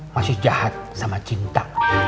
masih jahat sama cinta